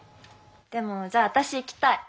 でもじゃあ私行きたい。